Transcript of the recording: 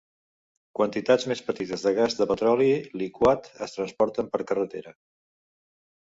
Quantitats més petites de gas de petroli liquat es transporten per carretera.